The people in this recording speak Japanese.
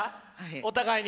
お互いに？